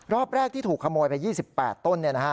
รอบแรกที่ถูกขโมยไป๒๘ต้นเนี่ยนะฮะ